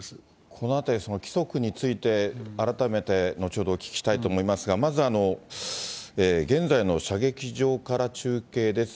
このあたり、規則について、改めて後ほどお聞きしたいと思いますが、まず現在の射撃場から中継です。